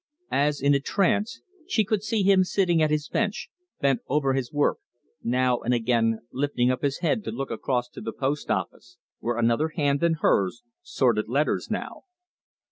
As in a trance, she could see him sitting at his bench, bent over his work, now and again lifting up his head to look across to the post office, where another hand than hers sorted letters now.